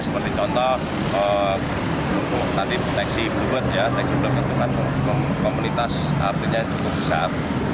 seperti contoh tadi teksi bubur teksi belakang komunitas artinya cukup besar